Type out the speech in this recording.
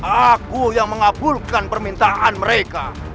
aku yang mengabulkan permintaan mereka